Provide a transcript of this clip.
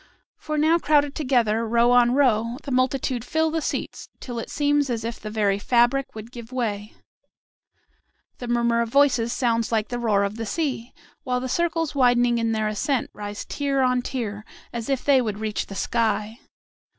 For now crowded together, row on row, the multitude fill the seats till it seems as if the very fabric would give way. The murmur of voices sounds like the roar of the sea, while the circles widening in their ascent rise tier on tier, as if they would reach the sky.